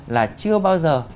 là chưa bao giờ